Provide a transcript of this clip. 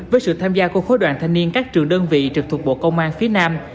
với sự tham gia của khối đoàn thanh niên các trường đơn vị trực thuộc bộ công an phía nam